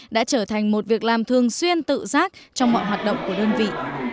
đã trở thành một việc làm thường xuyên tự giác trong mọi hoạt động của đơn vị